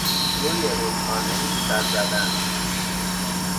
روی رودخانهای سد زدن